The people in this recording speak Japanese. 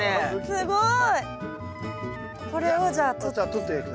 すごい。